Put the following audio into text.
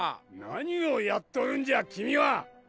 何をやっとるんじゃ君は！